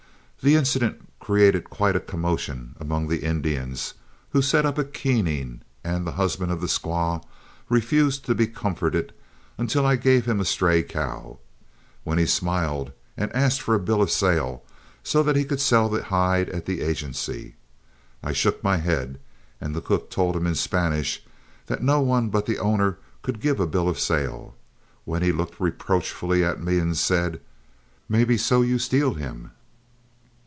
The incident created quite a commotion among the Indians, who set up a keening, and the husband of the squaw refused to be comforted until I gave him a stray cow, when he smiled and asked for a bill of sale so that he could sell the hide at the agency. I shook my head, and the cook told him in Spanish that no one but the owner could give a hill of sale, when he looked reproachfully at me and said, "Mebby so you steal him."